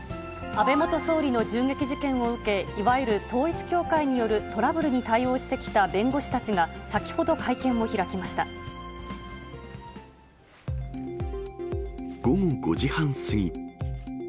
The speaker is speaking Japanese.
安倍元総理の銃撃事件を受け、いわゆる統一教会によるトラブルに対応してきた弁護士たちが、午後５時半過ぎ。